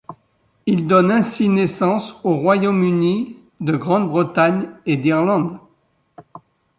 Il donne ainsi naissance au Royaume-Uni de Grande-Bretagne et d'Irlande.